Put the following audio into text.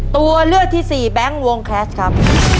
ตัวเลือกที่สี่แบงค์วงแคสครับ